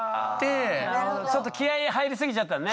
ちょっと気合い入りすぎちゃったね。